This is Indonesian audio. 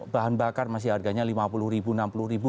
bahan bakar masih harganya rp lima puluh ribu enam puluh ribu